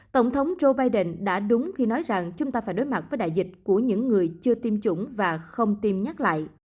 tổng thống joe biden đã đúng khi nói rằng chúng ta phải đối mặt với đại dịch của những người chưa tiêm chủng và không tiêm nhắc lại